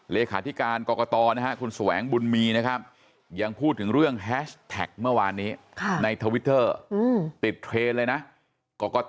เลขาธิการกรกตนะฮะคุณแสวงบุญมีนะครับยังพูดถึงเรื่องแฮชแท็กเมื่อวานนี้ในทวิตเตอร์ติดเทรนด์เลยนะ